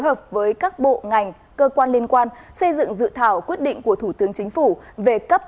hợp với các bộ ngành cơ quan liên quan xây dựng dự thảo quyết định của thủ tướng chính phủ về cấp